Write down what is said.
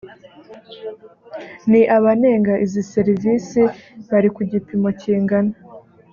ni abanenga izi serivisi bari ku gipimo kingana